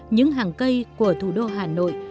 những hàng cây của thủ đô hà nội